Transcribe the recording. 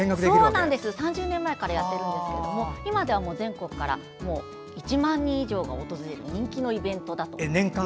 ３０年前からやっているんですが今では全国から１万人以上が訪れる人気のイベントだということです。